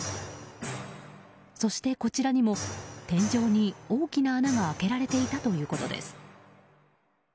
そしてこちらにも天井に大きな穴が開けられていたということです。